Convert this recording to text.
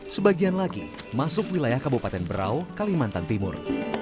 sebagian lagi masuk wilayah kabupaten berau kalimantan timur